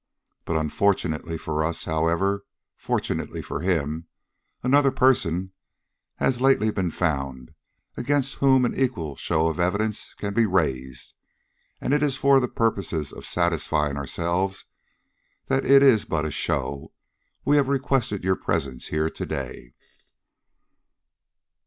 But, unfortunately for us, however fortunately for him, another person has lately been found, against whom an equal show of evidence can be raised, and it is for the purpose of satisfying ourselves that it is but a show, we have requested your presence here to day."